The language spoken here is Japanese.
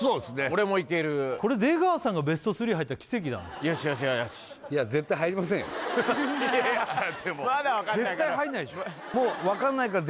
俺もいけるこれ出川さんがベスト３入ったら奇跡だねよしよしよしいや絶対入りませんよまだわかんないから絶対入んないでしょ